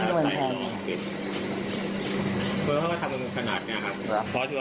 และการรอบทายเป็นทางมานะครับ